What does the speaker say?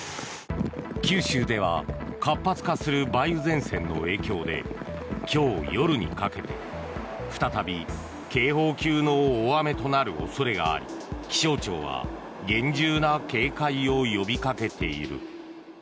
九州では活発化する梅雨前線の影響で今日夜にかけて再び警報級の大雨となる恐れがあり気象庁は厳重な警戒を呼びかけている。